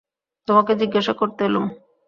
তোমাকে জিজ্ঞাসা করতে এলুম।